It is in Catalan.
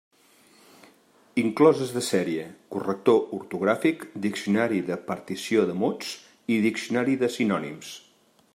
Incloses de sèrie: corrector ortogràfic, diccionari de partició de mots i diccionari de sinònims.